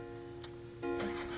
itu sudah cukup